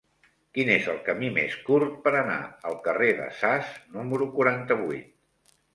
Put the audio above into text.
Quin és el camí més curt per anar al carrer de Sas número quaranta-vuit?